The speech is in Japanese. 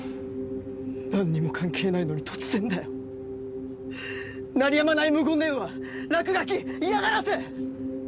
何にも関係ないのに突然だよ鳴りやまない無言電話落書き嫌がらせ！